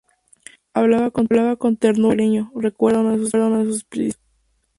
Hablaba con ternura, con cariño —recuerda uno de sus discípulos—.